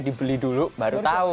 dari dulu baru tahu